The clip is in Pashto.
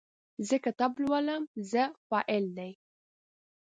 زه کتاب لولم – "زه" فاعل دی.